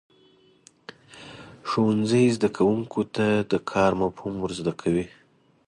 ښوونځی زده کوونکو ته د کار مفهوم ورزده کوي.